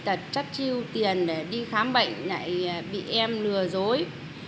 thật chất chiêu tiền để đi khám bệnh lại bị em lừa dối